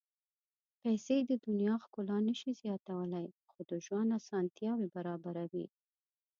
پېسې د دنیا ښکلا نه شي زیاتولی، خو د ژوند اسانتیاوې برابروي.